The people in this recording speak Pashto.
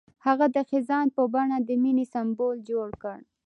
هغه د خزان په بڼه د مینې سمبول جوړ کړ.